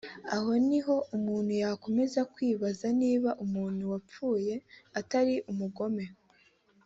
Aho niho umuntu yakomeza kwibaza niba umuntu wapfuye atari umugome